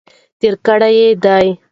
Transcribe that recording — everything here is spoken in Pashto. تیرې کړي دي.